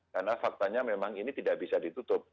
karena faktanya memang ini tidak bisa ditutup